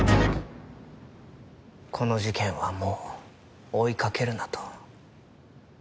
「この事件はもう追いかけるな」と。